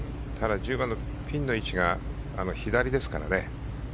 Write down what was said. １０番のピンの位置が左ですからね。